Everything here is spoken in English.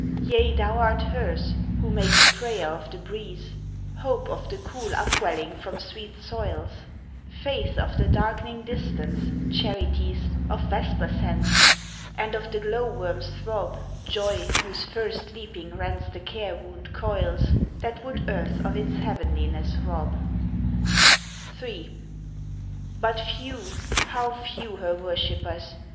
Yea, thou art Hers, who makes prayer of the breeze, Hope of the cool upwelling from sweet soils, Faith of the darkening distance, charities Of vesper scents, and of the glow worm's throb Joy whose first leaping rends the care wound coils That would earth of its heavenliness rob. 3 But few, how few her worshippers!